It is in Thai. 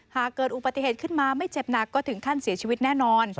หากเกิดอุบัติเหตุขึ้นมาไม่เจ็บหนักก็ถึงขั้นเสียชีวิตแน่นอน